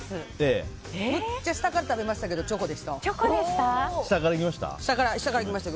むっちゃ下から食べましたけどチョコでしたわ。